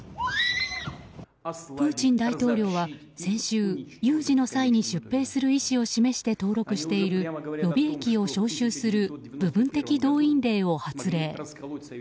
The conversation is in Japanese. プーチン大統領は先週有事の際に出兵する意思を示して登録している予備役を招集する部分的動員令を発令。